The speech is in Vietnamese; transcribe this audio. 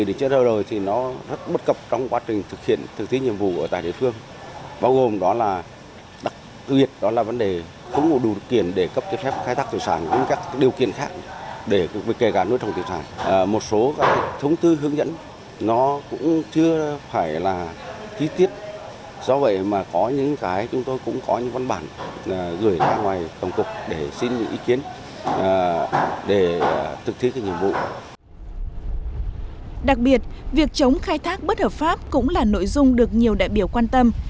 đặc biệt việc chống khai thác bất hợp pháp cũng là nội dung được nhiều đại biểu quan tâm